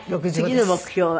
次の目標は？